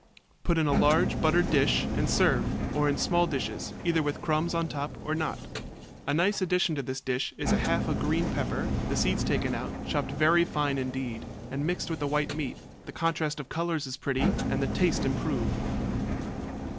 Put in a large buttered dish and serve, or in small dishes, either with crumbs on top or not. A nice addition to this dish is half a green pepper, the seeds taken out, chopped very fine indeed, and mixed with the white meat; the contrast of colors is pretty and the taste improved.